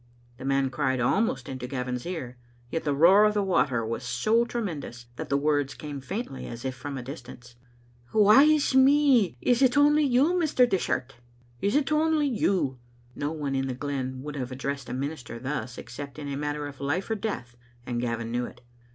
the man cried almost into Gavin's ear; yet the roar of the water was so tremen dous that the words came faintly, as if from a distance. " Wae is me; is it only you, Mr. Dishart?" "Is it only you!" No one in the glen would have addressed a minister thus except in a matter of life or death, and Gavin knew it.